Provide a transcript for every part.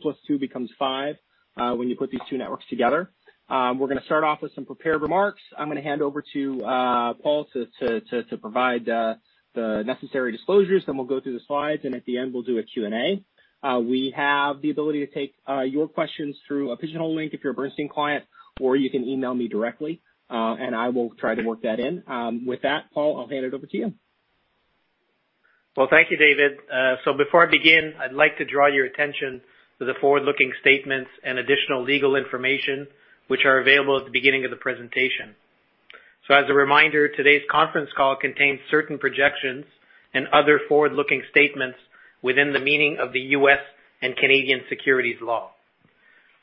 Two plus two becomes five when you put these two networks together. We're going to start off with some prepared remarks. I'm going to hand over to Paul to provide the necessary disclosures. Then we'll go through the slides, and at the end, we'll do a Q&A. We have the ability to take your questions through a Pigeonhole link if you're a Bernstein client, or you can email me directly, and I will try to work that in. With that, Paul, I'll hand it over to you. Well, thank you, David. Before I begin, I'd like to draw your attention to the forward-looking statements and additional legal information which are available at the beginning of the presentation. As a reminder, today's conference call contains certain projections and other forward-looking statements within the meaning of the U.S. and Canadian securities law.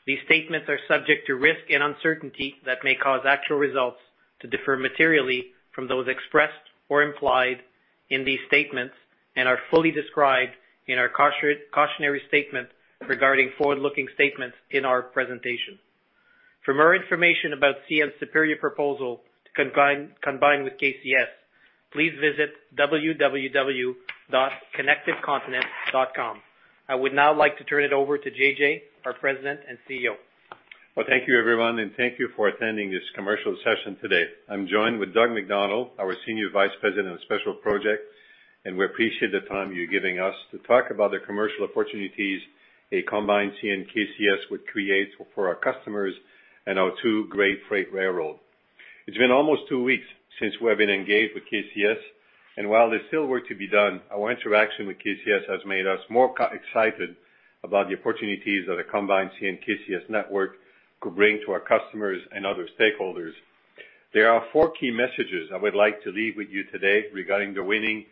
These statements are subject to risk and uncertainty that may cause actual results to differ materially from those expressed or implied in these statements and are fully described in our cautionary statement regarding forward-looking statements in our presentation. For more information about CN's superior proposal combined with KCS, please visit www.connectedcontinent.com. I would now like to turn it over to JJ, our President and CEO. Thank you, everyone, and thank you for attending this commercial session today. I'm joined with Doug MacDonald, our Senior Vice President of Special Projects. We appreciate the time you're giving us to talk about the commercial opportunities a combined CN KCS would create for our customers and our two great freight railroads. It's been almost two weeks since we have been engaged with KCS. While there's still work to be done, our interaction with KCS has made us more excited about the opportunities that a combined CN KCS network could bring to our customers and other stakeholders. There are four key messages I would like to leave with you today regarding the winning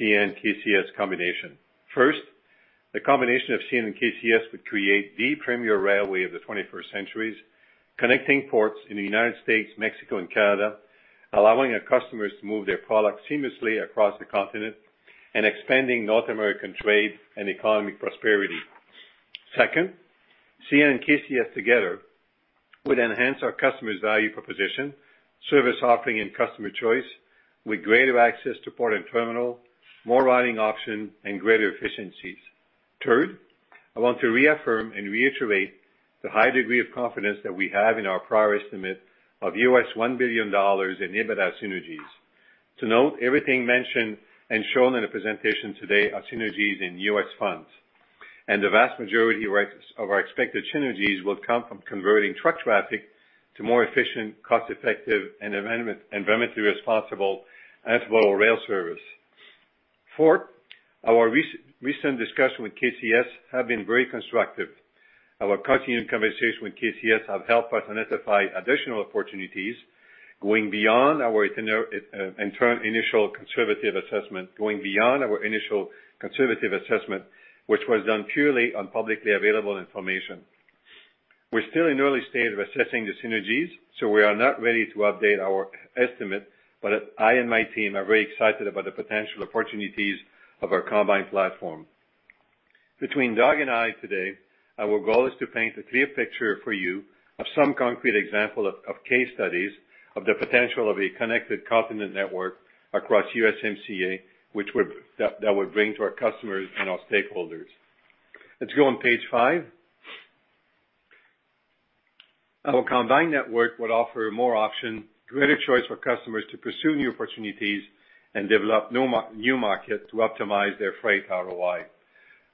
CN KCS combination. First, the combination of CN and KCS would create the premier railway of the 21st centuries, connecting ports in the U.S., Mexico, and Canada, allowing our customers to move their products seamlessly across the continent and expanding North American trade and economic prosperity. Second, CN and KCS together would enhance our customers' value proposition, service offering, and customer choice with greater access to port and terminal, more routing options, and greater efficiencies. Third, I want to reaffirm and reiterate the high degree of confidence that we have in our prior estimate of $1 billion in EBITDA synergies. To note, everything mentioned and shown in the presentation today are synergies in U.S. funds, the vast majority of our expected synergies will come from converting truck traffic to more efficient, cost-effective, and environmentally responsible intermodal rail service. Fourth, our recent discussions with KCS have been very constructive. Our continued conversations with KCS have helped us identify additional opportunities going beyond our initial conservative assessment which was done purely on publicly available information. We're still in early stage of assessing the synergies, so we are not ready to update our estimate, but I and my team are very excited about the potential opportunities of our combined platform. Between Doug and I today, our goal is to paint a clear picture for you of some concrete example of case studies of the potential of a connected continent network across USMCA that would bring to our customers and our stakeholders. Let's go on page five. Our combined network would offer more option, greater choice for customers to pursue new opportunities and develop new markets to optimize their freight ROI.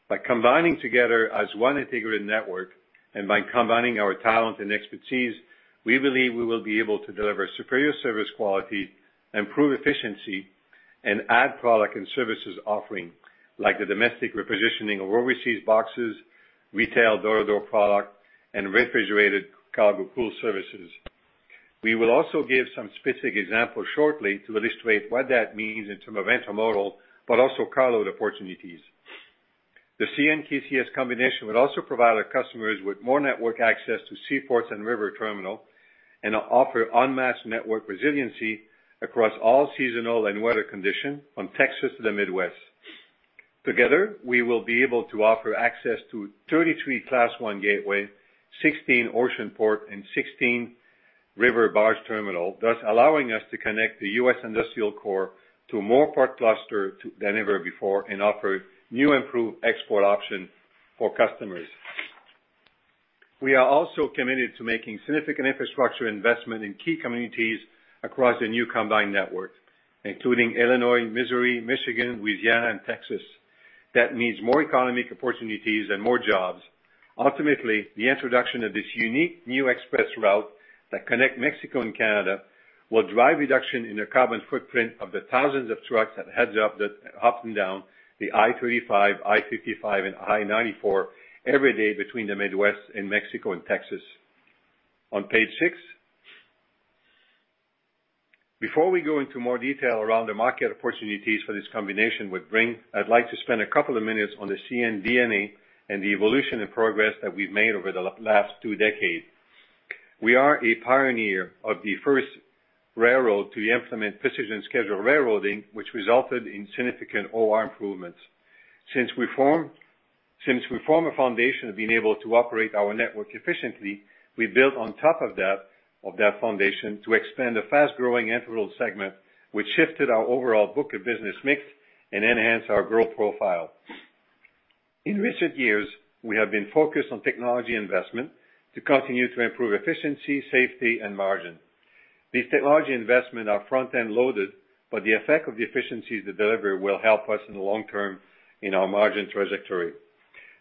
By combining together as one integrated network and by combining our talent and expertise, we believe we will be able to deliver superior service quality, improve efficiency, and add product and services offering, like the domestic repositioning of overseas boxes, retail door-to-door product, and refrigerated cargo pool services. We will also give some specific examples shortly to illustrate what that means in term of intermodal, but also cargo opportunities. The CN KCS combination would also provide our customers with more network access to seaports and river terminal and offer unmatched network resiliency across all seasonal and weather condition from Texas to the Midwest. Together, we will be able to offer access to 33 Class I gateway, 16 ocean port, and 16 river barge terminal, thus allowing us to connect the U.S. industrial core to more port cluster than ever before and offer new improved export option for customers. We are also committed to making significant infrastructure investment in key communities across the new combined network, including Illinois, Missouri, Michigan, Louisiana, and Texas. That means more economic opportunities and more jobs. Ultimately, the introduction of this unique new express route that connect Mexico and Canada will drive reduction in the carbon footprint of the thousands of trucks that heads up and down the I-35, I-55, and I-94 every day between the Midwest and Mexico and Texas. On page six. Before we go into more detail around the market opportunities for this combination would bring, I'd like to spend a couple of minutes on the CN DNA and the evolution and progress that we've made over the last two decades. We are a pioneer of the first railroad to implement precision scheduled railroading, which resulted in significant OR improvements. Since we formed a foundation of being able to operate our network efficiently, we built on top of that foundation to expand a fast-growing intermodal segment, which shifted our overall book of business mix and enhance our growth profile. In recent years, we have been focused on technology investment to continue to improve efficiency, safety, and margin. These technology investment are front-end loaded. The effect of the efficiencies they deliver will help us in the long term in our margin trajectory.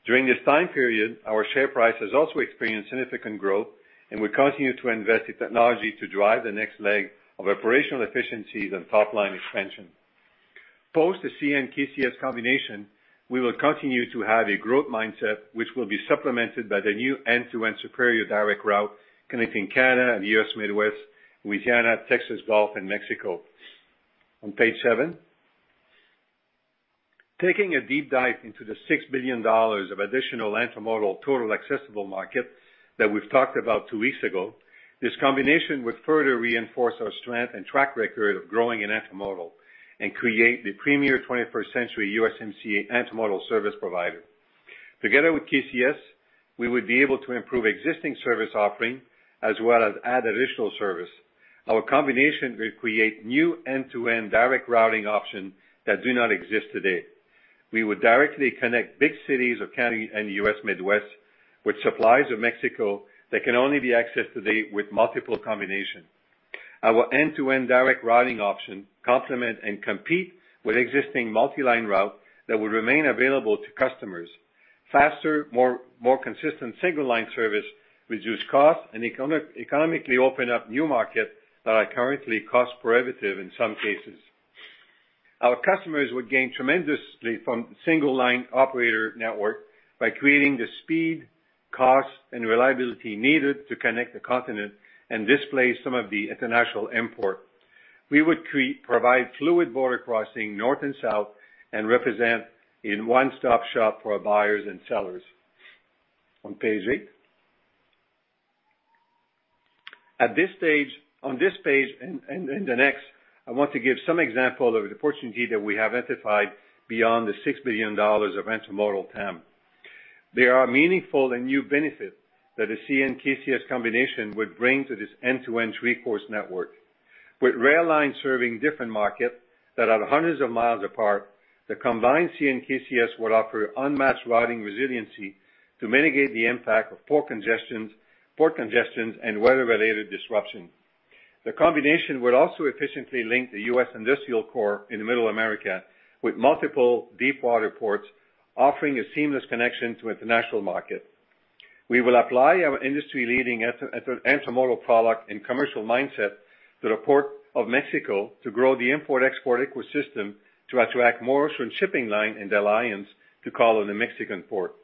During this time period, our share price has also experienced significant growth. We continue to invest in technology to drive the next leg of operational efficiencies and top-line expansion. Post the CN KCS combination, we will continue to have a growth mindset, which will be supplemented by the new end-to-end superior direct route connecting Canada and U.S. Midwest, Louisiana, Texas Gulf, and Mexico. On page seven. Taking a deep dive into the $6 billion of additional intermodal total accessible market that we've talked about two weeks ago, this combination would further reinforce our strength and track record of growing in intermodal and create the premier 21st century USMCA intermodal service provider. Together with KCS, we would be able to improve existing service offering as well as add additional service. Our combination will create new end-to-end direct routing option that do not exist today. We would directly connect big cities of Canada and U.S. Midwest with supplies of Mexico that can only be accessed today with multiple combination. Our end-to-end direct routing option complement and compete with existing multi-line route that will remain available to customers. Faster, more consistent single line service, reduce cost, and economically open up new market that are currently cost prohibitive in some cases. Our customers would gain tremendously from single-line operator network by creating the speed, cost, and reliability needed to connect the continent and displace some of the international import. We would provide fluid border crossing north and south and represent in one-stop shop for buyers and sellers. On page eight. On this page and the next, I want to give some example of the opportunity that we have identified beyond the $6 billion of intermodal TAM. There are meaningful and new benefit that a CN KCS combination would bring to this end-to-end three-coast network. With rail lines serving different market that are hundreds of miles apart, the combined CN KCS will offer unmatched routing resiliency to mitigate the impact of port congestions and weather-related disruption. The combination would also efficiently link the U.S. industrial core in the Middle America with multiple deep water ports, offering a seamless connection to international market. We will apply our industry-leading intermodal product and commercial mindset to the port of Mexico to grow the import/export ecosystem to attract more ocean shipping line and alliance to call on the Mexican port.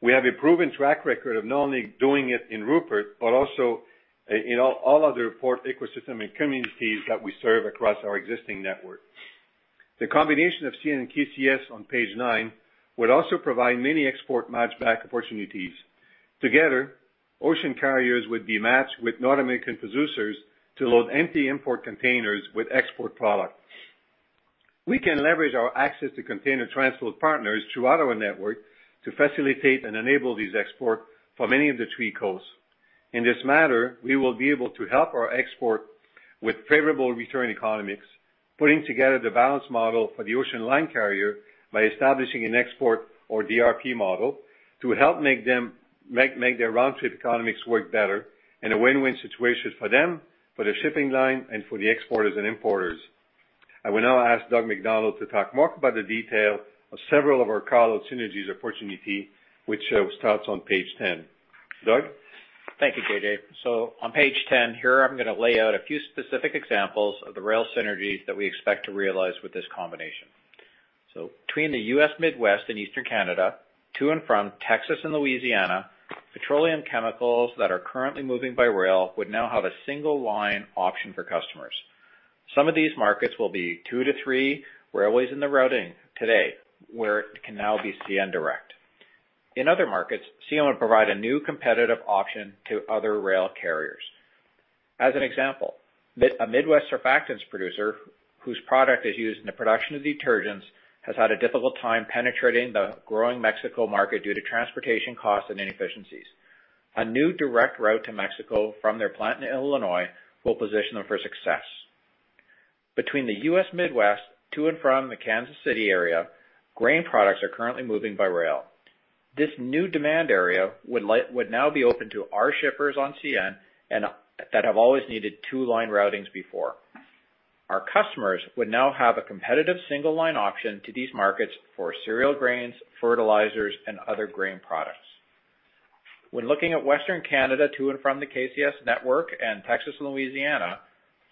We have a proven track record of not only doing it in Rupert, but also in all other port ecosystem and communities that we serve across our existing network. The combination of CN and KCS on page nine would also provide many export match-back opportunities. Together, ocean carriers would be matched with North American producers to load empty import containers with export product. We can leverage our access to container transport partners through our network to facilitate and enable these export from any of the three coasts. In this matter, we will be able to help our export with favorable return economics, putting together the balance model for the ocean line carrier by establishing an export or DRP model to help make their round trip economics work better in a win-win situation for them, for the shipping line, and for the exporters and importers. I will now ask Doug MacDonald to talk more about the detail of several of our cargo synergies opportunity, which starts on page 10. Doug? Thank you, JJ. On page 10 here, I'm going to lay out a few specific examples of the rail synergies that we expect to realize with this combination. Between the U.S. Midwest and Eastern Canada, to and from Texas and Louisiana, petroleum chemicals that are currently moving by rail would now have a single line option for customers. Some of these markets will be two to three railways in the routing today, where it can now be CN direct. In other markets, CN will provide a new competitive option to other rail carriers. As an example, a Midwest surfactants producer whose product is used in the production of detergents has had a difficult time penetrating the growing Mexico market due to transportation costs and inefficiencies. A new direct route to Mexico from their plant in Illinois will position them for success. Between the U.S. Midwest to and from the Kansas City area, grain products are currently moving by rail. This new demand area would now be open to our shippers on CN that have always needed two-line routings before. Our customers would now have a competitive single line option to these markets for cereal grains, fertilizers, and other grain products. When looking at Western Canada to and from the KCS network and Texas and Louisiana,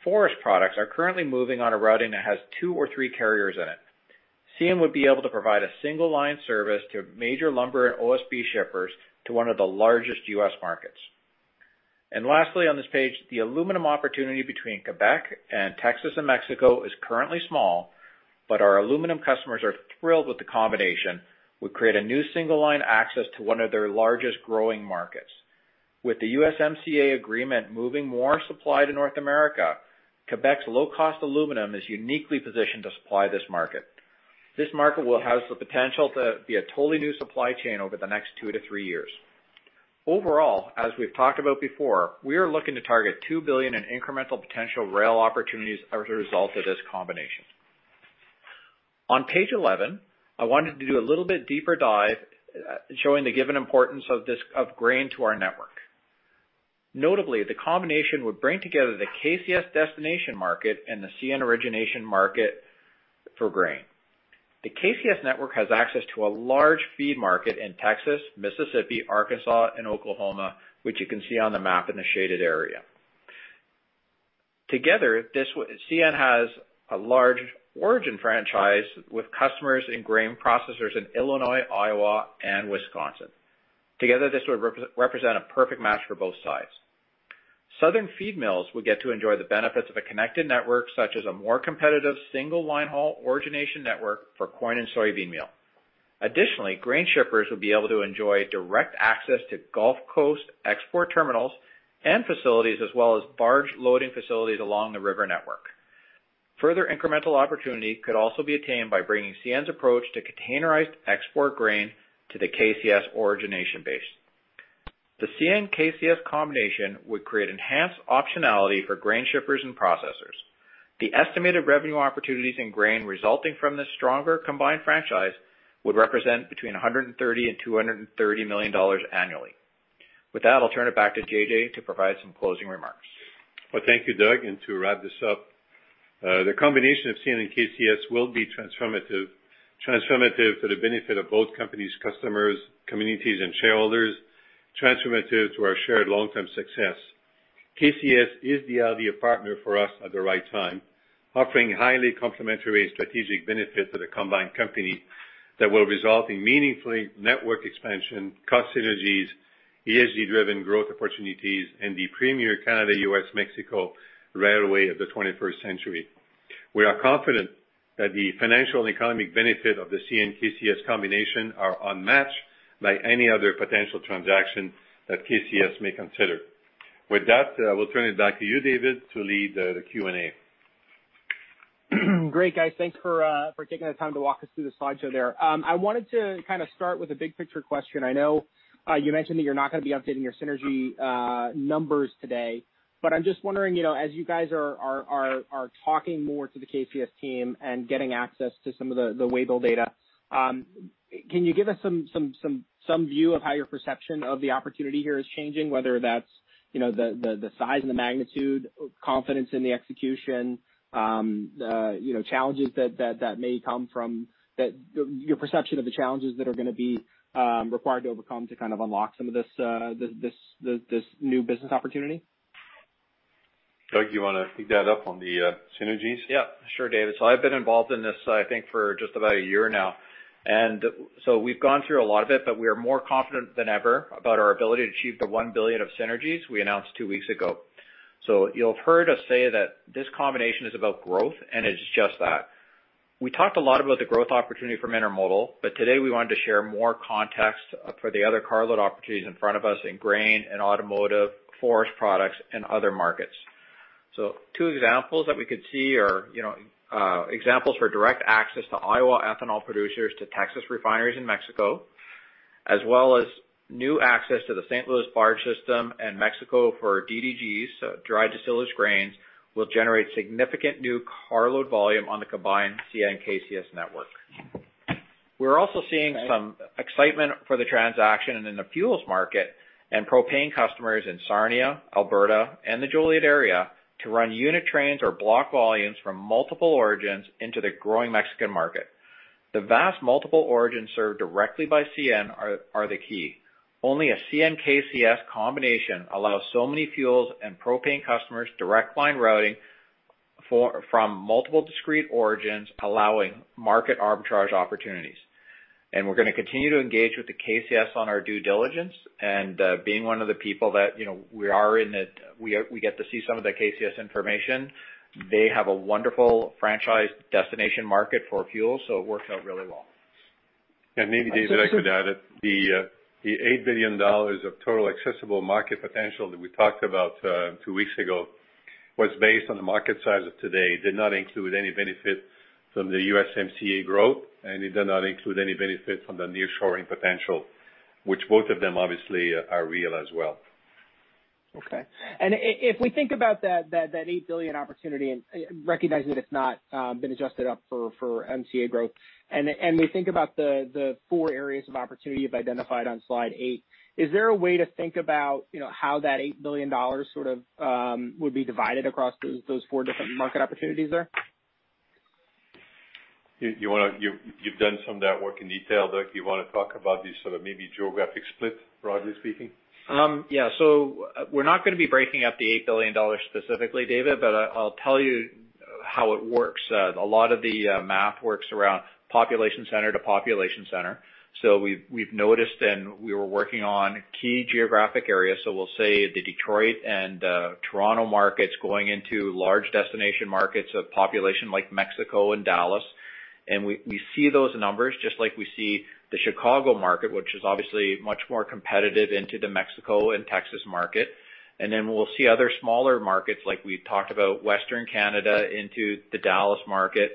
forest products are currently moving on a routing that has two or three carriers in it. CN would be able to provide a single line service to major lumber and OSB shippers to one of the largest U.S. markets. Lastly on this page, the aluminum opportunity between Quebec and Texas and Mexico is currently small, but our aluminum customers are thrilled with the combination. We create a new single line access to one of their largest growing markets. With the USMCA agreement moving more supply to North America, Quebec's low-cost aluminum is uniquely positioned to supply this market. This market has the potential to be a totally new supply chain over the next two to three years. Overall, as we've talked about before, we are looking to target $2 billion in incremental potential rail opportunities as a result of this combination. On page 11, I wanted to do a little bit deeper dive, showing the given importance of grain to our network. Notably, the combination would bring together the KCS destination market and the CN origination market for grain. The KCS network has access to a large feed market in Texas, Mississippi, Arkansas, and Oklahoma, which you can see on the map in the shaded area. Together, CN has a large origin franchise with customers and grain processors in Illinois, Iowa, and Wisconsin. Together, this would represent a perfect match for both sides. Southern feed mills will get to enjoy the benefits of a connected network, such as a more competitive single line haul origination network for corn and soybean meal. Additionally, grain shippers will be able to enjoy direct access to Gulf Coast export terminals and facilities, as well as barge loading facilities along the river network. Further incremental opportunity could also be attained by bringing CN's approach to containerized export grain to the KCS origination base. The CN KCS combination would create enhanced optionality for grain shippers and processors. The estimated revenue opportunities in grain resulting from this stronger combined franchise would represent between $130 million and $230 million annually. With that, I'll turn it back to JJ to provide some closing remarks. Well, thank you, Doug. To wrap this up, the combination of CN and KCS will be transformative. Transformative for the benefit of both companies' customers, communities, and shareholders, transformative to our shared long-term success. KCS is the ideal partner for us at the right time, offering highly complementary strategic benefit to the combined company that will result in meaningful network expansion, cost synergies, ESG-driven growth opportunities, and the premier Canada-U.S.-Mexico railway of the 21st century. We are confident that the financial and economic benefit of the CN KCS combination are unmatched by any other potential transaction that KCS may consider. With that, I will turn it back to you, David, to lead the Q&A. Great, guys. Thanks for taking the time to walk us through the slideshow there. I wanted to start with a big picture question. I know you mentioned that you're not going to be updating your synergy numbers today, but I'm just wondering, as you guys are talking more to the KCS team and getting access to some of the waybill data, can you give us some view of how your perception of the opportunity here is changing, whether that's the size and the magnitude, confidence in the execution, your perception of the challenges that are going to be required to overcome to unlock some of this new business opportunity? Doug, you want to pick that up on the synergies? Yeah. Sure, David. I've been involved in this, I think, for just about a year now, and so we've gone through a lot of it, but we are more confident than ever about our ability to achieve the $1 billion of synergies we announced two weeks ago. You'll have heard us say that this combination is about growth, and it's just that. We talked a lot about the growth opportunity from intermodal, but today we wanted to share more context for the other carload opportunities in front of us in grain and automotive, forest products, and other markets. Two examples that we could see are examples for direct access to lowa ethanol producers, to Texas refineries in Mexico, as well as new access to the St. Louis Barge System and Mexico for DDGs, so dried distillers grains, will generate significant new carload volume on the combined CN KCS network. We're also seeing some excitement for the transaction in the fuels market and propane customers in Sarnia, Alberta, and the Joliet area to run unit trains or block volumes from multiple origins into the growing Mexican market. The vast multiple origins served directly by CN are the key. Only a CN KCS combination allows so many fuels and propane customers direct line routing from multiple discrete origins, allowing market arbitrage opportunities. We're going to continue to engage with the KCS on our due diligence and being one of the people that we get to see some of the KCS information. They have a wonderful franchise destination market for fuel, so it works out really well. Maybe, David, I could add that the $8 billion of total accessible market potential that we talked about two weeks ago was based on the market size of today. It did not include any benefit from the USMCA growth, and it did not include any benefit from the nearshoring potential, which both of them obviously are real as well. Okay. If we think about that $8 billion opportunity and recognize that it's not been adjusted up for USMCA growth, and we think about the four areas of opportunity you've identified on slide eight, is there a way to think about how that $8 billion would be divided across those four different market opportunities there? You've done some of that work in detail, Doug. You want to talk about the maybe geographic split, broadly speaking? We're not going to be breaking up the $8 billion specifically, David, but I'll tell you how it works. A lot of the math works around population center to population center. We've noticed and we were working on key geographic areas, so we'll say the Detroit and Toronto markets going into large destination markets of population like Mexico and Dallas. We see those numbers just like we see the Chicago market, which is obviously much more competitive into the Mexico and Texas market. We'll see other smaller markets, like we've talked about Western Canada into the Dallas market.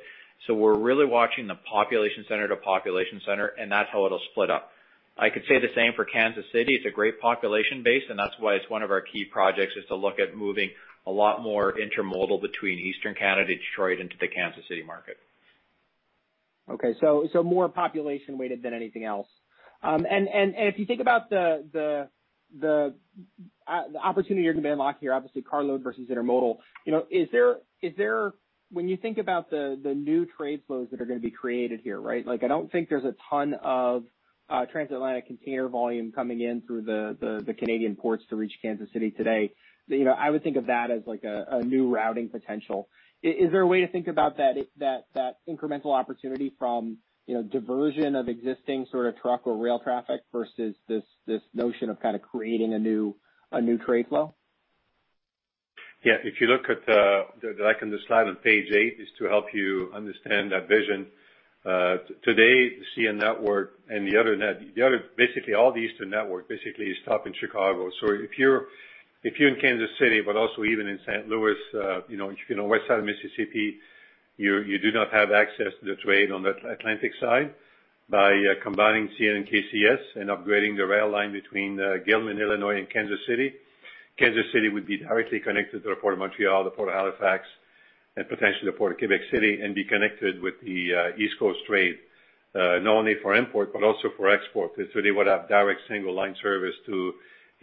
We're really watching the population center to population center, and that's how it'll split up. I could say the same for Kansas City. It's a great population base, and that's why it's one of our key projects, is to look at moving a lot more intermodal between Eastern Canada, Detroit into the Kansas City market. Okay. More population weighted than anything else. If you think about the opportunity you're going to unlock here, obviously carload versus intermodal. When you think about the new trade flows that are going to be created here, right? I don't think there's a ton of transatlantic container volume coming in through the Canadian ports to reach Kansas City today. I would think of that as a new routing potential. Is there a way to think about that incremental opportunity from diversion of existing truck or rail traffic versus this notion of creating a new trade flow? If you look at the slide on page eight, is to help you understand that vision. Today, the CN network and all the eastern network basically stop in Chicago. If you're in Kansas City, but also even in St. Louis, west side of Mississippi, you do not have access to the trade on the Atlantic side. By combining CN and KCS and upgrading the rail line between Gilman, Illinois, and Kansas City, Kansas City would be directly connected to the Port of Montreal, the Port of Halifax, and potentially the Port of Quebec City, and be connected with the East Coast trade, not only for import but also for export, because they would have direct single-line service to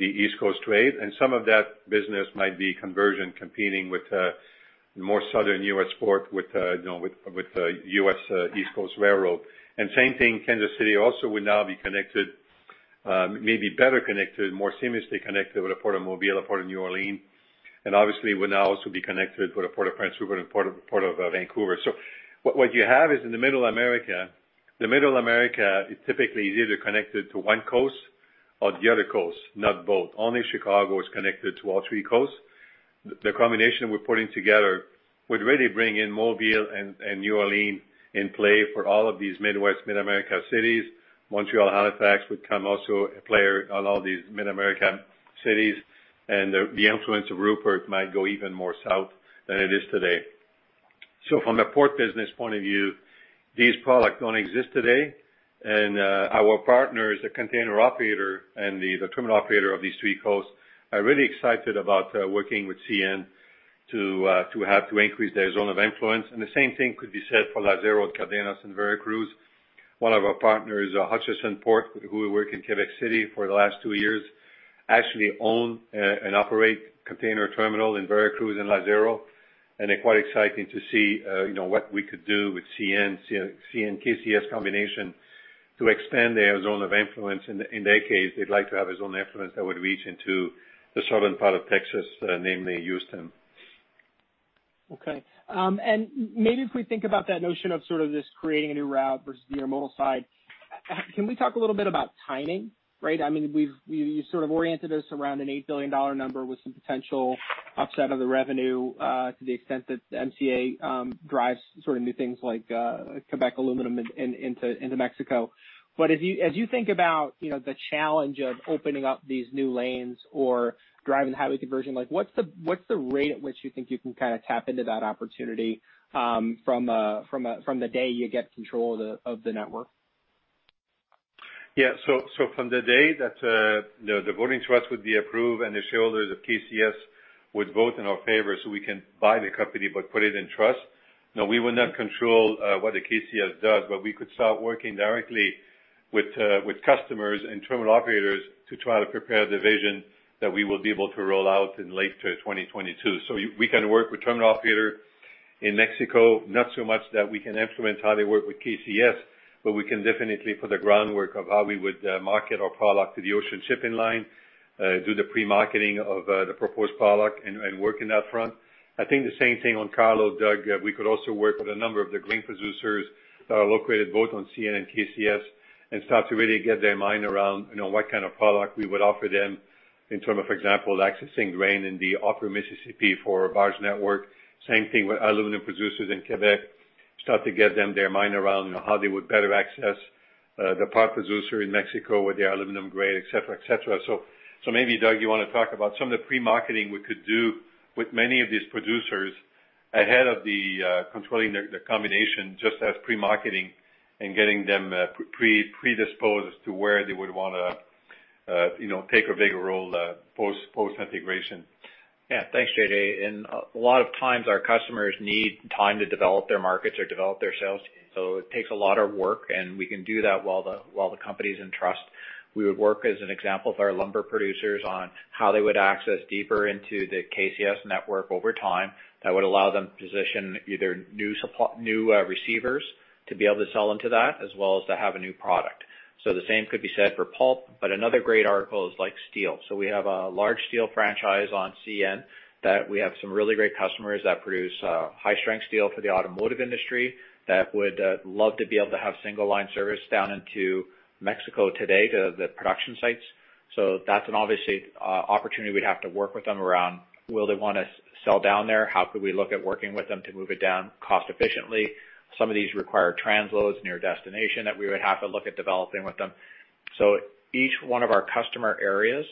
the East Coast trade. Some of that business might be conversion competing with more southern U.S. port with the U.S. East Coast Railroad. Same thing, Kansas City also will now be connected, maybe better connected, more seamlessly connected with the Port of Mobile, the Port of New Orleans, and obviously will now also be connected with the Port of Prince Rupert and Port of Vancouver. What you have is in the Middle America, the Middle America is typically either connected to one coast or the other coast, not both. Only Chicago is connected to all three coasts. The combination we're putting together would really bring in Mobile and New Orleans in play for all of these Midwest, Mid-America cities. Montreal, Halifax would become also a player on all these Mid-America cities, and the influence of Rupert might go even more south than it is today. From a port business point of view, these products don't exist today. Our partners, the container operator and the terminal operator of these three coasts, are really excited about working with CN to increase their zone of influence. The same thing could be said for Lázaro Cárdenas and Veracruz. One of our partners, Hutchison Ports, who we work in Quebec City for the last two years, actually own and operate a container terminal in Veracruz and Lázaro, and they're quite excited to see what we could do with CN-KCS combination to extend their zone of influence. In their case, they'd like to have a zone of influence that would reach into the southern part of Texas, namely Houston. Maybe if we think about that notion of sort of this creating a new route versus the intermodal side, can we talk a little bit about timing, right? You sort of oriented us around an $8 billion number with some potential upset of the revenue, to the extent that the MCA drives sort of new things like Quebec aluminum into Mexico. As you think about the challenge of opening up these new lanes or driving highway conversion, what's the rate at which you think you can tap into that opportunity from the day you get control of the network? Yeah. From the day that the voting trust would be approved and the shareholders of KCS would vote in our favor so we can buy the company but put it in trust. Now, we will not control what the KCS does, but we could start working directly with customers and terminal operators to try to prepare the vision that we will be able to roll out in late 2022. We can work with terminal operator in Mexico, not so much that we can influence how they work with KCS, but we can definitely put the groundwork of how we would market our product to the ocean shipping line, do the pre-marketing of the proposed product and work in that front. I think the same thing on carload, Doug. We could also work with a number of the grain producers that are located both on CN and KCS and start to really get their mind around what kind of product we would offer them in term of, for example, accessing grain in the upper Mississippi for a barge network. Same thing with aluminum producers in Quebec, start to get them their mind around how they would better access the pulp producer in Mexico with their aluminum grade, et cetera. Maybe, Doug, you want to talk about some of the pre-marketing we could do with many of these producers ahead of the controlling the combination, just as pre-marketing and getting them predisposed to where they would want to take a bigger role post-integration. Yeah. Thanks, JJ. A lot of times, our customers need time to develop their markets or develop their sales. It takes a lot of work, and we can do that while the company's in trust. We would work, as an example, with our lumber producers on how they would access deeper into the KCS network over time. That would allow them to position either new receivers to be able to sell into that, as well as to have a new product. The same could be said for pulp, but another great article is like steel. We have a large steel franchise on CN that we have some really great customers that produce high-strength steel for the automotive industry that would love to be able to have single-line service down into Mexico today to the production sites. That's an obviously opportunity we'd have to work with them around will they want to sell down there? How could we look at working with them to move it down cost efficiently? Some of these require transloads near destination that we would have to look at developing with them. Each one of our customer areas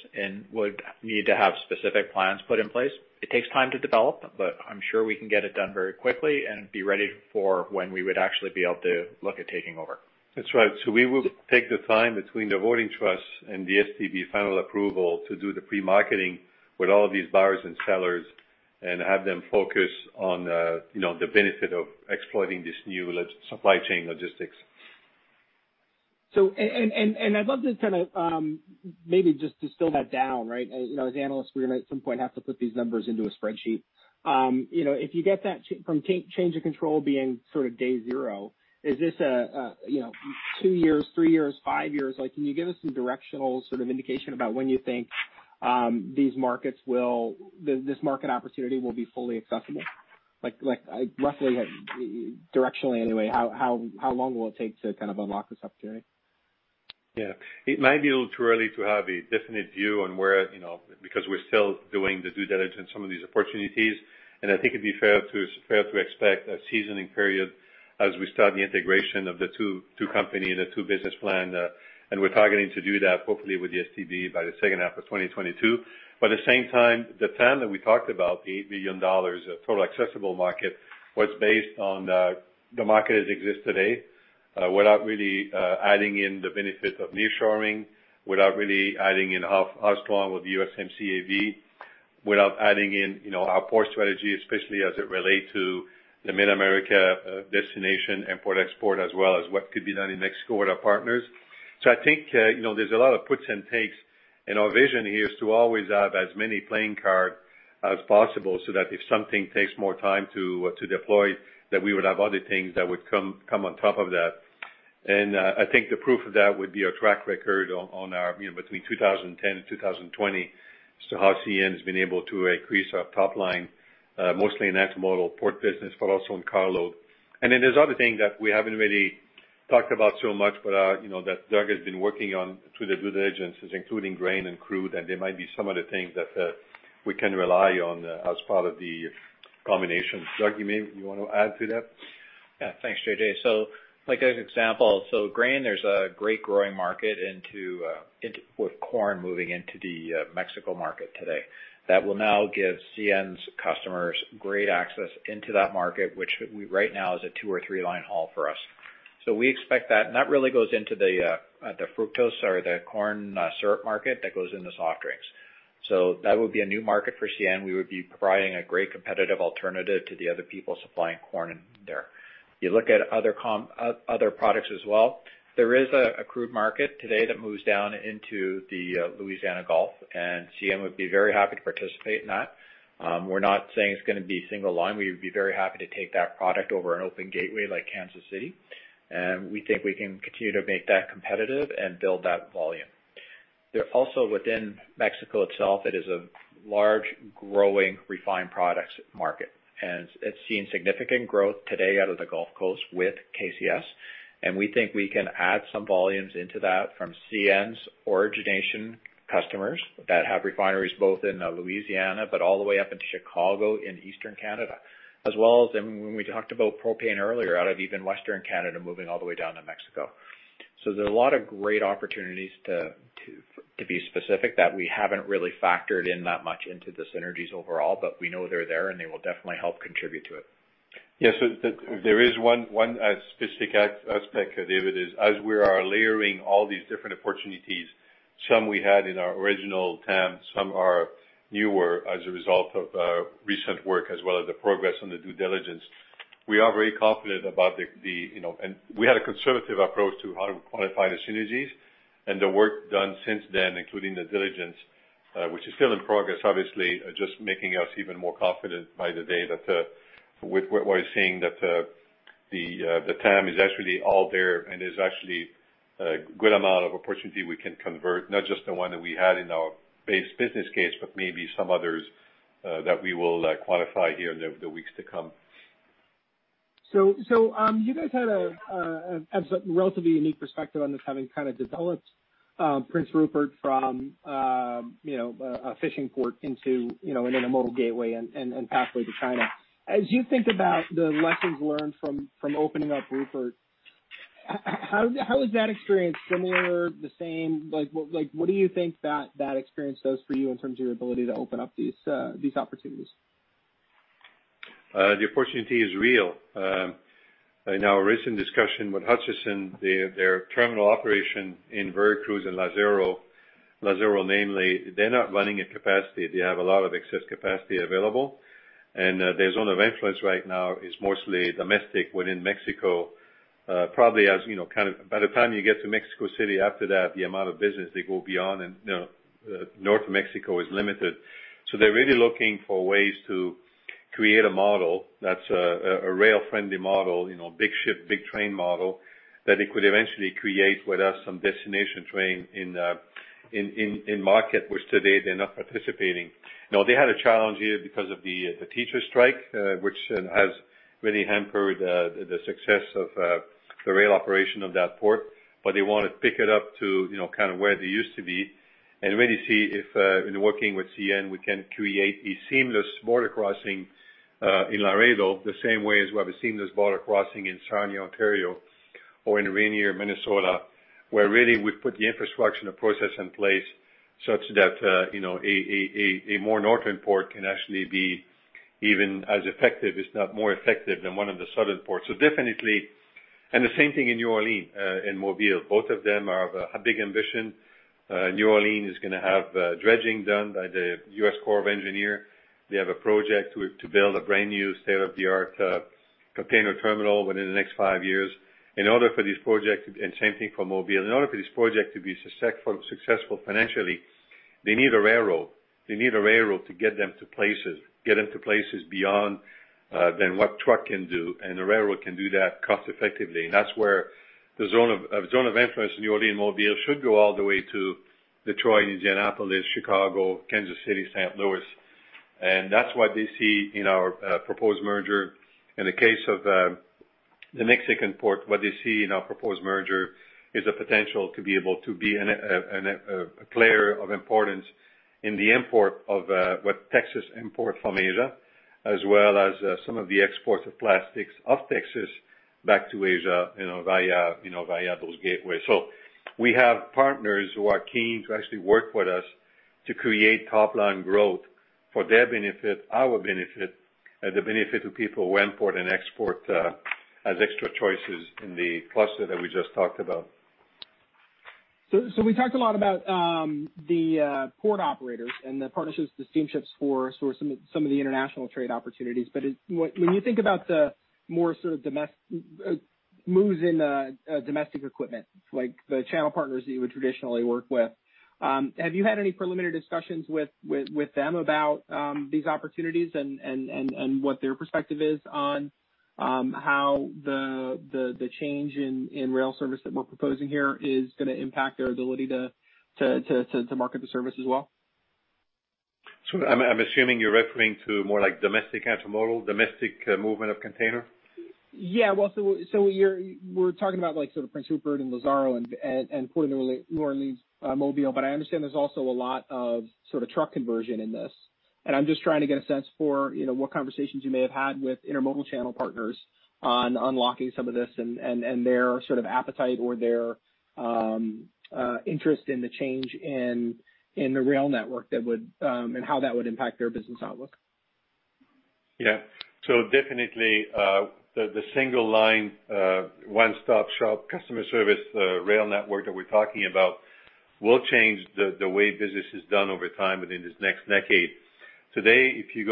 would need to have specific plans put in place. It takes time to develop, but I'm sure we can get it done very quickly and be ready for when we would actually be able to look at taking over. That's right. We will take the time between the voting trust and the STB final approval to do the pre-marketing with all of these buyers and sellers and have them focus on the benefit of exploiting this new supply chain logistics. I'd love to maybe just distill that down, right? As analysts, we're going to, at some point, have to put these numbers into a spreadsheet. From change of control being sort of day zero, is this a two years, three years, five years? Can you give us some directional sort of indication about when you think this market opportunity will be fully accessible? Roughly, directionally anyway, how long will it take to kind of unlock this opportunity? Yeah. It might be a little too early to have a definite view on where, because we're still doing the due diligence on some of these opportunities, and I think it'd be fair to expect a seasoning period as we start the integration of the two companies and the two business plans. We're targeting to do that hopefully with the STB by the second half of 2022. At the same time, the TAM that we talked about, the $8 billion of total accessible market, was based on the market as it exists today, without really adding in the benefit of nearshoring, without really adding in how strong with the USMCA be, without adding in our port strategy, especially as it relates to the Mid-America destination import-export, as well as what could be done in Mexico with our partners. I think there's a lot of puts and takes, and our vision here is to always have as many playing cards as possible so that if something takes more time to deploy, that we would have other things that would come on top of that. I think the proof of that would be our track record between 2010 and 2020 as to how CN's been able to increase our top line, mostly in intermodal port business, but also in carload. Then there's other things that we haven't really talked about so much, but that Doug has been working on through the due diligence, including grain and crude, and there might be some other things that we can rely on as part of the combination. Doug, you maybe you want to add to that? Yeah. Thanks, JJ. Like as an example, so grain, there's a great growing market with corn moving into the Mexico market today. That will now give CN's customers great access into that market, which right now is a two or three-line haul for us. We expect that, and that really goes into the fructose or the corn syrup market that goes into soft drinks. That would be a new market for CN. We would be providing a great competitive alternative to the other people supplying corn in there. You look at other products as well. There is a crude market today that moves down into the Louisiana Gulf, and CN would be very happy to participate in that. We're not saying it's going to be single line. We would be very happy to take that product over an open gateway like Kansas City, we think we can continue to make that competitive and build that volume. Also within Mexico itself, it is a large, growing refined products market, it's seen significant growth today out of the Gulf Coast with KCS, we think we can add some volumes into that from CN's origination customers that have refineries both in Louisiana, but all the way up into Chicago in Eastern Canada, when we talked about propane earlier, out of even Western Canada, moving all the way down to Mexico. There's a lot of great opportunities, to be specific, that we haven't really factored in that much into the synergies overall, we know they're there, they will definitely help contribute to it. There is one specific aspect, David, as we are layering all these different opportunities, some we had in our original TAM, some are newer as a result of recent work, as well as the progress on the due diligence. We are very confident and we had a conservative approach to how to quantify the synergies, and the work done since then, including the diligence, which is still in progress, obviously, just making us even more confident by the day that we're seeing that the TAM is actually all there and there's actually a good amount of opportunity we can convert, not just the one that we had in our base business case, but maybe some others that we will quantify here in the weeks to come. You guys had a relatively unique perspective on this, having kind of developed Prince Rupert from a fishing port into an intermodal gateway and pathway to China. As you think about the lessons learned from opening up Rupert, how is that experience similar, the same? What do you think that experience does for you in terms of your ability to open up these opportunities? The opportunity is real. In our recent discussion with Hutchison, their terminal operation in Veracruz and Lázaro namely, they're not running at capacity. They have a lot of excess capacity available. Their zone of influence right now is mostly domestic within Mexico. Probably by the time you get to Mexico City after that, the amount of business they go beyond North Mexico is limited. They're really looking for ways to create a model that's a rail-friendly model, big ship, big train model, that it could eventually create with us some destination train in market, which today they're not participating. They had a challenge here because of the teachers' strike, which has really hampered the success of the rail operation of that port, but they want to pick it up to where they used to be and really see if, in working with CN, we can create a seamless border crossing. In Laredo, the same way as we have seen this border crossing in Sarnia, Ontario, or in Ranier, Minnesota, where really we've put the infrastructure and the process in place such that a more northern port can actually be even as effective, if not more effective than one of the southern ports. Definitely, and the same thing in New Orleans and Mobile. Both of them have a big ambition. New Orleans is going to have dredging done by the U.S. Corps of Engineers. They have a project to build a brand new state-of-the-art container terminal within the next five years. In order for this project, and same thing for Mobile, in order for this project to be successful financially, they need a railroad. They need a railroad to get them to places beyond than what truck can do, and the railroad can do that cost effectively. That's where the zone of influence in New Orleans, Mobile should go all the way to Detroit, Indianapolis, Chicago, Kansas City, St. Louis. That's what they see in our proposed merger. In the case of the Mexican port, what they see in our proposed merger is a potential to be able to be a player of importance in the import of what Texas import from Asia, as well as some of the exports of plastics of Texas back to Asia via those gateways. We have partners who are keen to actually work with us to create top line growth for their benefit, our benefit, and the benefit to people who import and export as extra choices in the cluster that we just talked about. We talked a lot about the port operators and the partnerships, the steamships for some of the international trade opportunities. When you think about the more sort of moves in domestic equipment, like the channel partners that you would traditionally work with, have you had any preliminary discussions with them about these opportunities and what their perspective is on how the change in rail service that we're proposing here is going to impact their ability to market the service as well? I'm assuming you're referring to more like domestic intermodal, domestic movement of container? Yeah. We're talking about sort of Prince Rupert and Lazaro and Port of New Orleans, Mobile, but I understand there's also a lot of truck conversion in this, and I'm just trying to get a sense for what conversations you may have had with intermodal channel partners on unlocking some of this and their sort of appetite or their interest in the change in the rail network, and how that would impact their business outlook. Yeah. Definitely, the single line, one-stop shop customer service rail network that we're talking about will change the way business is done over time within this next decade. Today, if you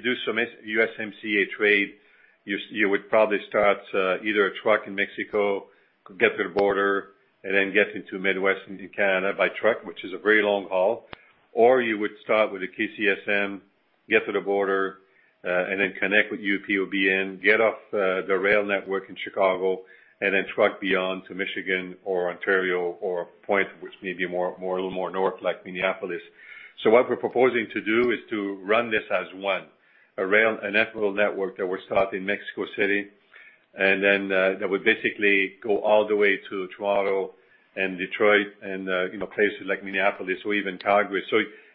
do some USMCA trade, you would probably start either a truck in Mexico, get to the border, and then get into Midwest into Canada by truck, which is a very long haul. You would start with a KCSM, get to the border, and then connect with UP or BN, get off the rail network in Chicago, and then truck beyond to Michigan or Ontario or a point which may be a little more north like Minneapolis. What we're proposing to do is to run this as one, an equitable network that will start in Mexico City, and then that would basically go all the way to Toronto and Detroit and places like Minneapolis or even Calgary.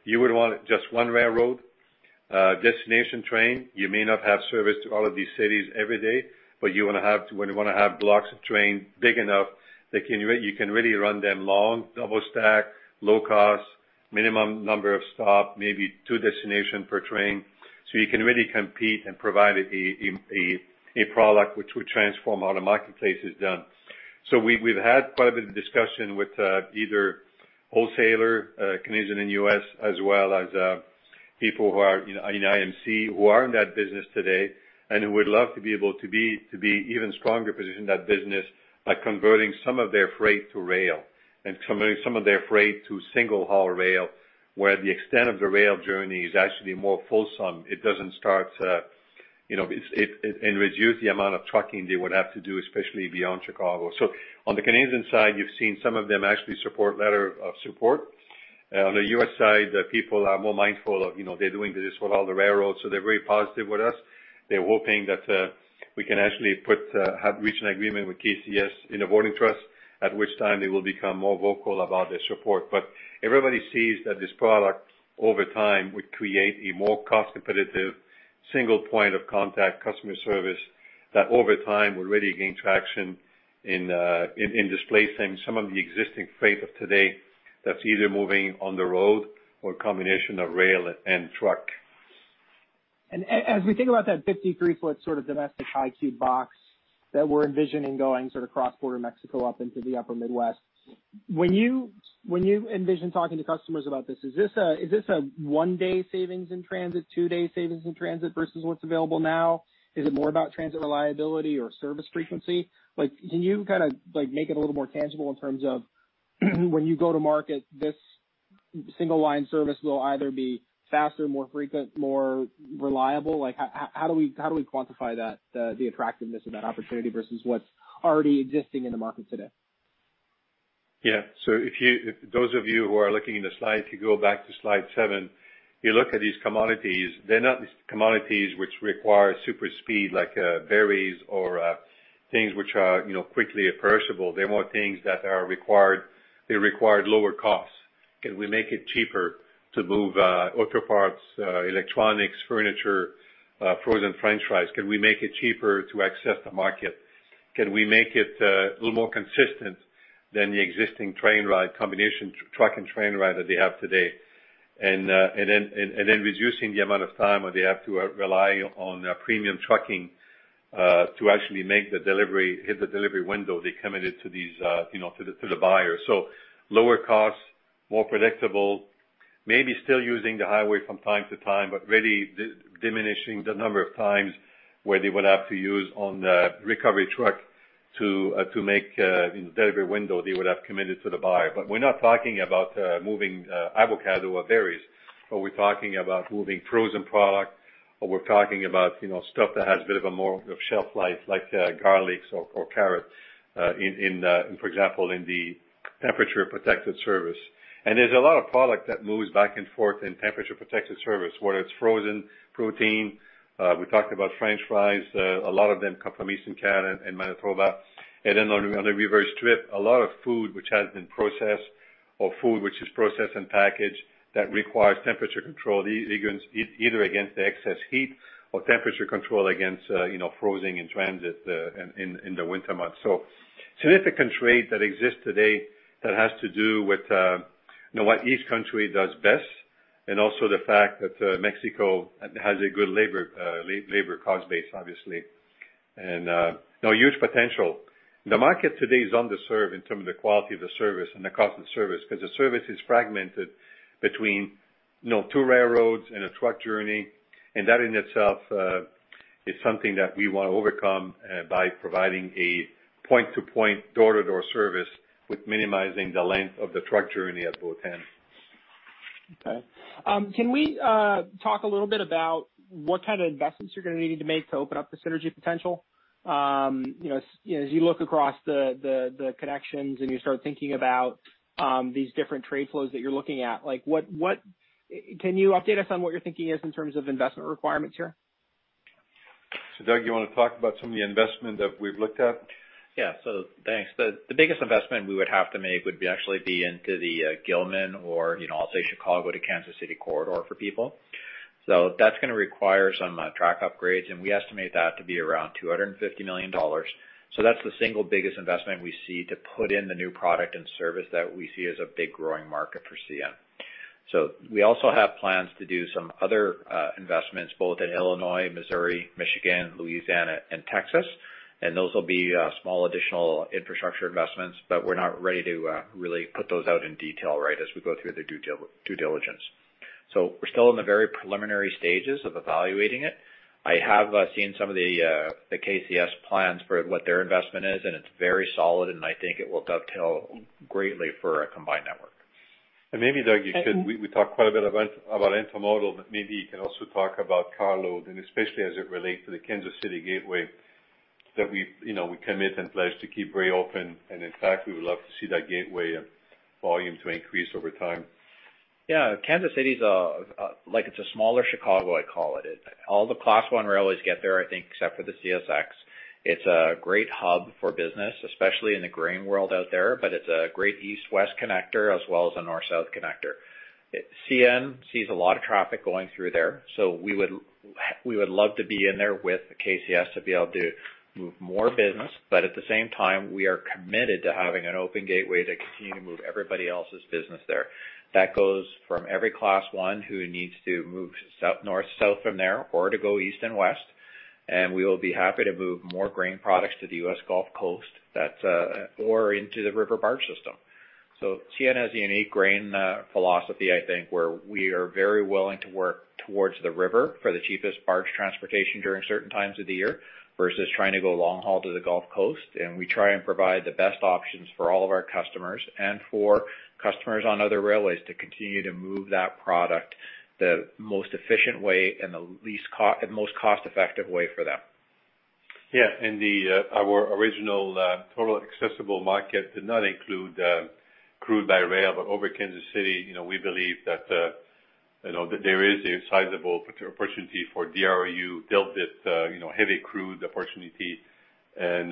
You would want just one railroad, destination train. You may not have service to all of these cities every day, but you want to have blocks of train big enough that you can really run them long, double-stack, low cost, minimum number of stop, maybe two destination per train. You can really compete and provide a product which would transform how the marketplace is done. We've had quite a bit of discussion with either wholesaler, Canadian and U.S., as well as people who are in IMC, who are in that business today, and who would love to be able to be even stronger position in that business by converting some of their freight to rail and converting some of their freight to single haul rail, where the extent of the rail journey is actually more fulsome. Reduce the amount of trucking they would have to do, especially beyond Chicago. On the Canadian side, you've seen some of them actually support letter of support. On the U.S. side, the people are more mindful of, they're doing business with all the railroads, they're very positive with us. They're hoping that we can actually have reached an agreement with KCS in a voting trust, at which time they will become more vocal about their support. But everybody sees that this product, over time, would create a more cost competitive, single point of contact customer service that over time will really gain traction in displacing some of the existing freight of today that's either moving on the road or combination of rail and truck. As we think about that 53-foot sort of domestic high cube box that we're envisioning going sort of cross-border Mexico up into the upper Midwest, when you envision talking to customers about this, is this a one-day savings in transit, two-day savings in transit versus what's available now? Is it more about transit reliability or service frequency? Can you make it a little more tangible in terms of when you go to market, this single line service will either be faster, more frequent, more reliable? How do we quantify the attractiveness of that opportunity versus what's already existing in the market today? Yeah. Those of you who are looking in the slide, if you go back to slide seven, you look at these commodities, they're not commodities which require super speed like berries or things which are quickly perishable. They're more things that are required lower cost. Can we make it cheaper to move auto parts, electronics, furniture, frozen French fries? Can we make it cheaper to access the market? Can we make it a little more consistent than the existing train ride combination, truck and train ride that they have today? Reducing the amount of time where they have to rely on premium trucking, to actually make the delivery, hit the delivery window they committed to the buyer. Lower costs, more predictable, maybe still using the highway from time to time, but really diminishing the number of times where they would have to use on the recovery truck to make delivery window they would have committed to the buyer. We're not talking about moving avocado or berries, but we're talking about moving frozen product, or we're talking about stuff that has a bit of a more of shelf life, like garlics or carrots, for example, in the temperature-protected service. There's a lot of product that moves back and forth in temperature-protected service, whether it's frozen protein. We talked about French fries. A lot of them come from Eastern Canada and Manitoba. Then on a reverse trip, a lot of food which has been processed or food which is processed and packaged that requires temperature control, either against the excess heat or temperature control against freezing in transit in the winter months. Significant trade that exists today that has to do with what each country does best and also the fact that Mexico has a good labor cost base, obviously. Huge potential. The market today is underserved in terms of the quality of the service and the cost of the service, because the service is fragmented between two railroads and a truck journey. That in itself, is something that we want to overcome by providing a point-to-point, door-to-door service with minimizing the length of the truck journey at both ends. Okay. Can we talk a little bit about what kind of investments you're going to need to make to open up the synergy potential? As you look across the connections and you start thinking about these different trade flows that you're looking at, can you update us on what your thinking is in terms of investment requirements here? Doug, you want to talk about some of the investment that we've looked at? Thanks. The biggest investment we would have to make would actually be into the Gilman, or I'll say Chicago to Kansas City corridor for people. That's going to require some track upgrades, and we estimate that to be around $250 million. That's the single biggest investment we see to put in the new product and service that we see as a big growing market for CN. We also have plans to do some other investments both in Illinois, Missouri, Michigan, Louisiana, and Texas, and those will be small additional infrastructure investments, but we're not ready to really put those out in detail right as we go through the due diligence. We're still in the very preliminary stages of evaluating it. I have seen some of the KCS plans for what their investment is, and it's very solid, and I think it will dovetail greatly for a combined network. Maybe, Doug, we talked quite a bit about intermodal, but maybe you can also talk about carload and especially as it relates to the Kansas City gateway that we commit and pledge to keep very open, and in fact, we would love to see that gateway volume to increase over time. Yeah. Kansas City is like a smaller Chicago, I call it. All the Class I railways get there, I think, except for the CSX. It's a great hub for business, especially in the grain world out there. It's a great east-west connector as well as a north-south connector. CN sees a lot of traffic going through there. We would love to be in there with KCS to be able to move more business. At the same time, we are committed to having an open gateway to continue to move everybody else's business there. That goes from every Class I who needs to move north-south from there or to go east and west. We will be happy to move more grain products to the U.S. Gulf Coast or into the river barge system. CN has a unique grain philosophy, I think, where we are very willing to work towards the river for the cheapest barge transportation during certain times of the year versus trying to go long haul to the Gulf Coast. We try and provide the best options for all of our customers and for customers on other railways to continue to move that product the most efficient way and the most cost-effective way for them. Our original total accessible market did not include crude by rail. Over Kansas City, we believe that there is a sizable opportunity for DRU dilbit heavy crude opportunity and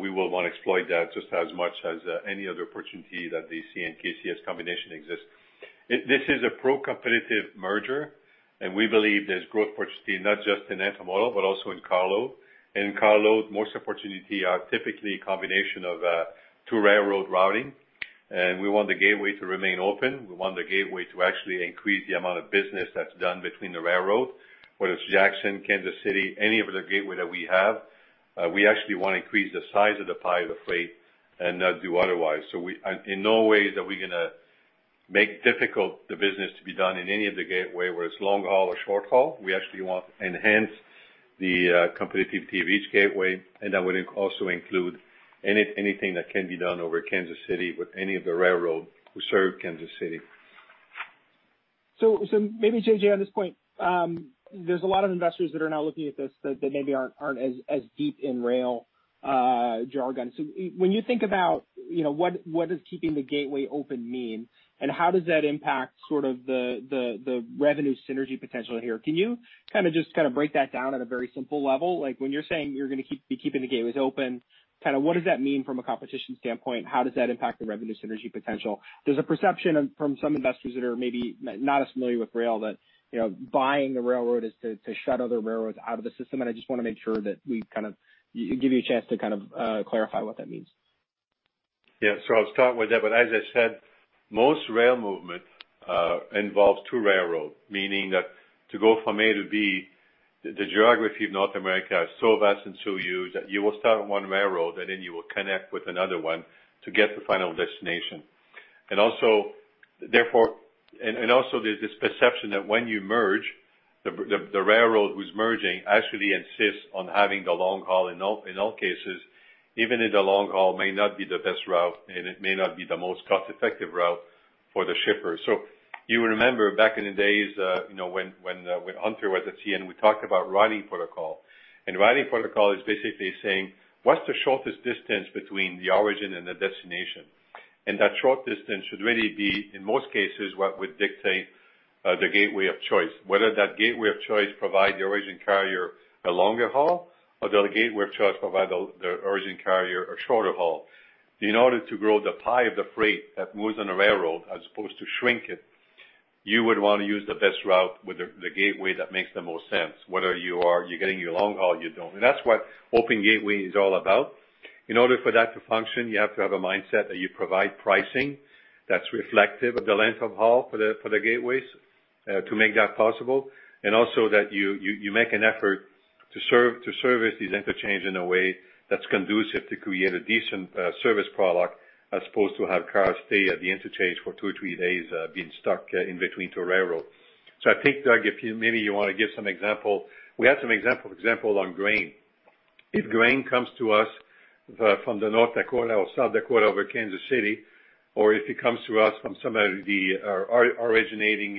we will want to exploit that just as much as any other opportunity that the CN KCS combination exists. This is a pro-competitive merger, and we believe there's growth opportunity not just in intermodal but also in carload. In carload, most opportunity are typically a combination of two railroad routing, and we want the gateway to remain open. We want the gateway to actually increase the amount of business that's done between the railroad, whether it's Jackson, Kansas City, any of the gateway that we have. We actually want to increase the size of the pie of the freight and not do otherwise. In no way are we going to make difficult the business to be done in any of the gateway, whether it's long haul or short haul. We actually want to enhance the competitiveness of each gateway, and that would also include anything that can be done over Kansas City with any of the railroad who serve Kansas City. Maybe, JJ, on this point, there's a lot of investors that are now looking at this that maybe aren't as deep in rail jargon. When you think about what does keeping the gateway open mean, and how does that impact sort of the revenue synergy potential here? Can you kind of just break that down at a very simple level? Like when you're saying you're going to be keeping the gateways open, what does that mean from a competition standpoint? How does that impact the revenue synergy potential? There's a perception from some investors that are maybe not as familiar with rail that buying the railroad is to shut other railroads out of the system, and I just want to make sure that we kind of give you a chance to clarify what that means. I'll start with that. As I said, most rail movement involves two railroads, meaning that to go from A to B, the geography of North America is so vast and so huge that you will start on one railroad, and then you will connect with another one to get the final destination. Also, there's this perception that when you merge, the railroad who's merging actually insists on having the long haul in all cases, even if the long haul may not be the best route, and it may not be the most cost-effective route for the shipper. You remember back in the days, when Hunter was at CN, we talked about routing protocol. Routing protocol is basically saying, what's the shortest distance between the origin and the destination? That short distance should really be, in most cases, what would dictate the gateway of choice, whether that gateway of choice provide the origin carrier a longer haul or the gateway of choice provide the origin carrier a shorter haul. In order to grow the pie of the freight that moves on a railroad, as opposed to shrink it, you would want to use the best route with the gateway that makes the most sense, whether you're getting your long haul or you don't. That's what open gateway is all about. In order for that to function, you have to have a mindset that you provide pricing that's reflective of the length of haul for the gateways to make that possible. Also that you make an effort to service these interchange in a way that's conducive to create a decent service product, as opposed to have cars stay at the interchange for two or three days, being stuck in between two railroads. I think, Doug, maybe you want to give some example. We have some example on grain. If grain comes to us from the North Dakota or South Dakota over Kansas City, or if it comes to us from some of the originating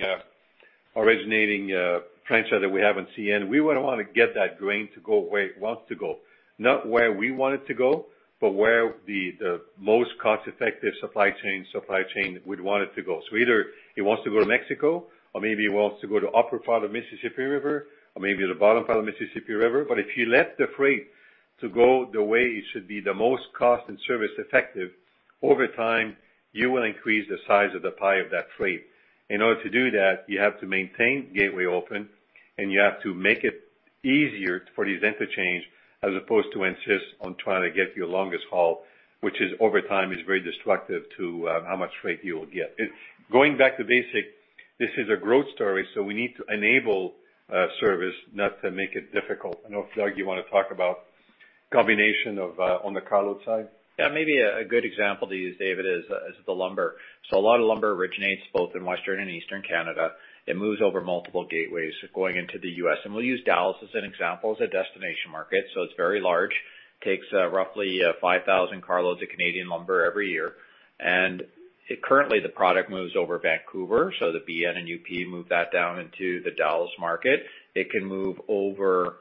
franchise that we have in CN, we would want to get that grain to go where it wants to go. Not where we want it to go, but where the most cost-effective supply chain would want it to go. Either it wants to go to Mexico, or maybe it wants to go to upper part of Mississippi River, or maybe the bottom part of the Mississippi River. If you let the freight to go the way it should be the most cost and service effective, over time, you will increase the size of the pie of that freight. In order to do that, you have to maintain gateway open, and you have to make it easier for these interchange, as opposed to insist on trying to get your longest haul, which over time is very destructive to how much freight you will get. It's going back to basic. This is a growth story, so we need to enable service, not to make it difficult. I don't know if, Doug, you want to talk about combination on the carload side? Maybe a good example to use, David, is the lumber. A lot of lumber originates both in Western and Eastern Canada. It moves over multiple gateways going into the U.S. We'll use Dallas as an example as a destination market. It's very large, takes roughly 5,000 carloads of Canadian lumber every year. Currently, the product moves over Vancouver, so the BN and UP move that down into the Dallas market. It can move over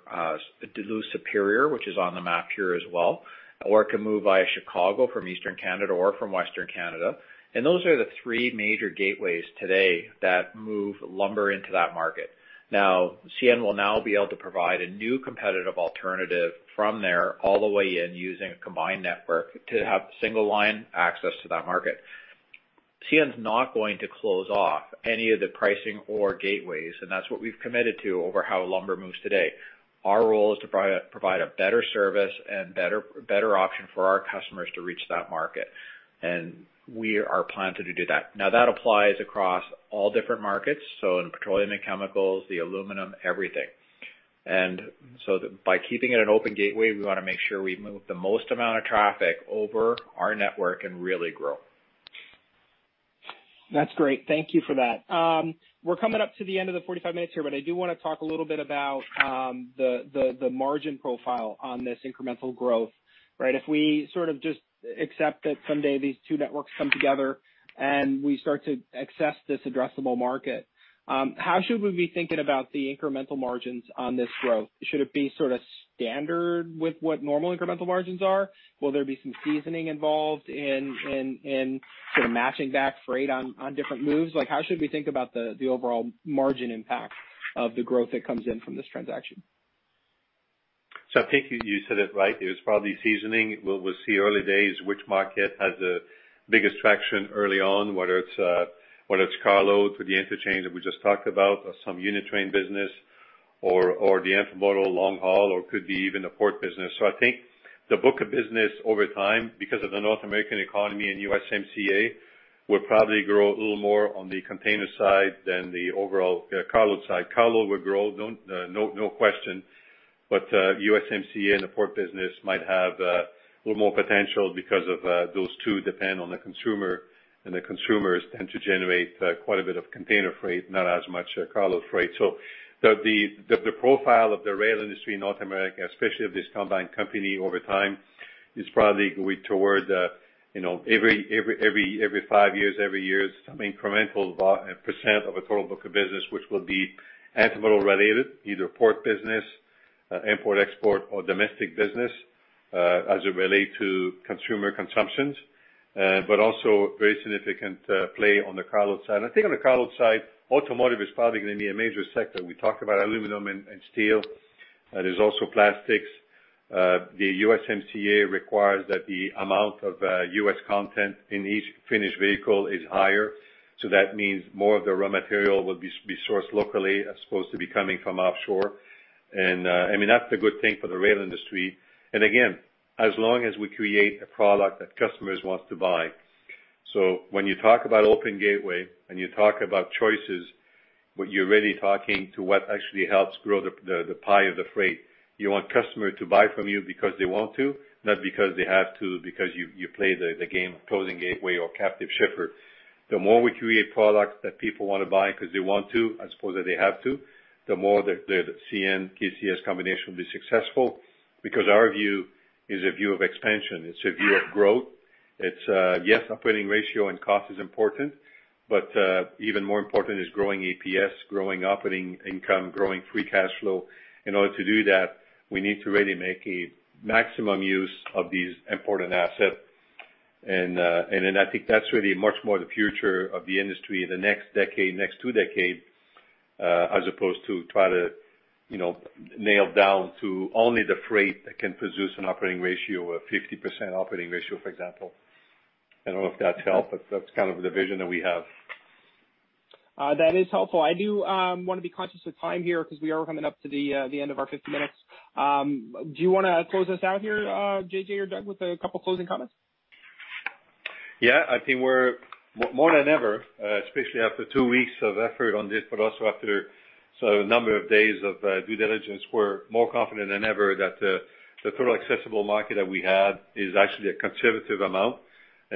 Duluth-Superior, which is on the map here as well, or it can move via Chicago from Eastern Canada or from Western Canada. Those are the three major gateways today that move lumber into that market. CN will now be able to provide a new competitive alternative from there all the way in using a combined network to have single line access to that market. CN's not going to close off any of the pricing or gateways. That's what we've committed to over how lumber moves today. Our role is to provide a better service and better option for our customers to reach that market. We are planning to do that. Now, that applies across all different markets, so in petroleum and chemicals, the aluminum, everything. By keeping it an open gateway, we want to make sure we move the most amount of traffic over our network and really grow. That's great. Thank you for that. We're coming up to the end of the 45 minutes here, I do want to talk a little bit about the margin profile on this incremental growth. If we sort of just accept that someday these two networks come together and we start to access this addressable market, how should we be thinking about the incremental margins on this growth? Should it be sort of standard with what normal incremental margins are? Will there be some seasoning involved in sort of matching back freight on different moves? How should we think about the overall margin impact of the growth that comes in from this transaction? I think you said it right. There's probably seasoning. We'll see early days which market has the biggest traction early on, whether it's carload for the interchange that we just talked about or some unit train business or the intermodal long haul or could be even the port business. I think the book of business over time, because of the North American economy and USMCA, will probably grow a little more on the container side than the overall carload side. Carload will grow, no question, but USMCA and the port business might have a little more potential because of those two depend on the consumer, and the consumers tend to generate quite a bit of container freight, not as much carload freight. The profile of the rail industry in North America, especially of this combined company over time, is probably going toward every five years, every year, some incremental percent of a total book of business, which will be intermodal related, either port business, import, export, or domestic business as it relate to consumer consumptions. Also very significant play on the carload side. I think on the carload side, automotive is probably going to be a major sector. We talked about aluminum and steel. There's also plastics. The USMCA requires that the amount of U.S. content in each finished vehicle is higher, so that means more of the raw material will be sourced locally as opposed to be coming from offshore. I mean, that's a good thing for the rail industry. Again, as long as we create a product that customers want to buy. When you talk about open gateway and you talk about choices, but you're really talking to what actually helps grow the pie of the freight. You want customer to buy from you because they want to, not because they have to, because you play the game of closing gateway or captive shipper. The more we create products that people wanna buy because they want to, as opposed that they have to, the more the CN KCS combination will be successful. Our view is a view of expansion. It's a view of growth. It's, yes, operating ratio and cost is important, but even more important is growing EPS, growing operating income, growing free cash flow. In order to do that, we need to really make a maximum use of these important assets. Then I think that's really much more the future of the industry in the next decade, next two decades, as opposed to try to nail down to only the freight that can produce an operating ratio, a 50% operating ratio, for example. I don't know if that's helped, but that's kind of the vision that we have. That is helpful. I do want to be conscious of time here because we are coming up to the end of our 50 minutes. Do you wanna close us out here, JJ or Doug, with a couple closing comments? I think we're more than ever, especially after two weeks of effort on this, but also after sort of a number of days of due diligence, we're more confident than ever that the total accessible market that we have is actually a conservative amount.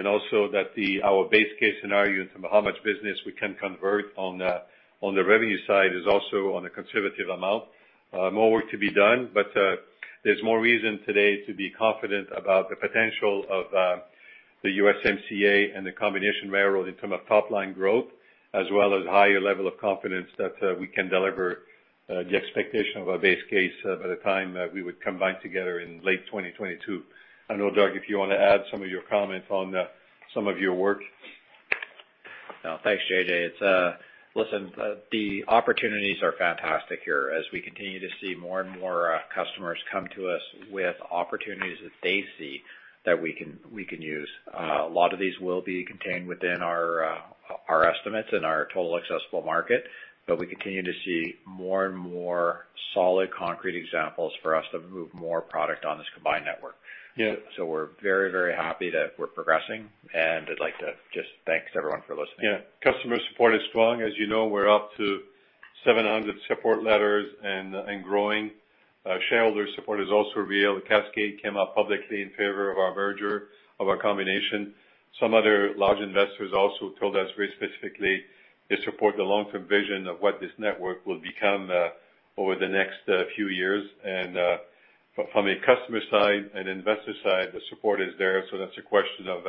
Also that our base case scenario in terms of how much business we can convert on the revenue side is also on a conservative amount. More work to be done, there's more reason today to be confident about the potential of the USMCA and the combination railroad in term of top line growth, as well as higher level of confidence that we can deliver the expectation of our base case by the time that we would combine together in late 2022. I don't know, Doug, if you want to add some of your comments on some of your work. No, thanks, JJ. Listen, the opportunities are fantastic here as we continue to see more and more customers come to us with opportunities that they see that we can use. A lot of these will be contained within our estimates and our total accessible market, we continue to see more and more solid, concrete examples for us to move more product on this combined network. Yeah We're very happy that we're progressing, and I'd like to just thank everyone for listening. Yeah. Customer support is strong. As you know, we're up to 700 support letters and growing. Shareholder support is also real. Cascade came out publicly in favor of our merger, of our combination. Some other large investors also told us very specifically they support the long-term vision of what this network will become over the next few years. From a customer side and investor side, the support is there, so that's a question of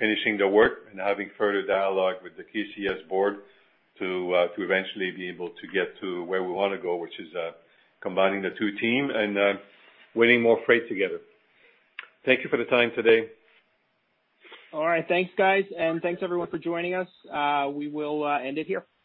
finishing the work and having further dialogue with the KCS board to eventually be able to get to where we wanna go, which is combining the two team and winning more freight together. Thank you for the time today. All right. Thanks, guys, and thanks everyone for joining us. We will end it here. Thank You.